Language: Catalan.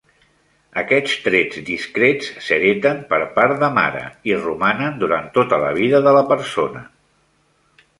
Aquests trets discrets s'hereten per part de mare i romanen durant tota la vida de la persona.